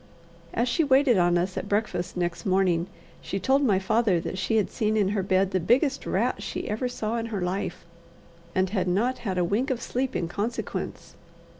As she waited on us at breakfast next morning, she told my father that she had seen in her bed the biggest rat she ever saw in her life, and had not had a wink of sleep in consequence.